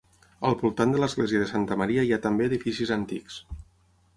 Al voltant de l'església de santa Maria hi ha també edificis antics.